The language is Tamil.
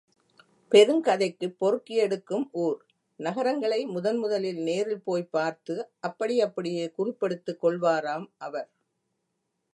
பெருங்கதைக்குப் பொறுக்கியெடுக்கும் ஊர், நகரங்களை முதன் முதலில் நேரில் போய்ப் பார்த்து அப்படி அப்படியே குறிப்பெடுத்துக் கொள்வாராம் அவர்.